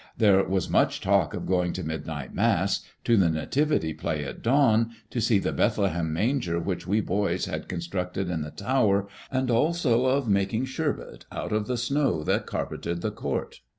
There was much talk of going to midnight Mass, to the Nativity play at dawn, to see the Bethlehem manger which we boys had constructed in the tower, and also of making sherbet out of the snow that carpeted the court.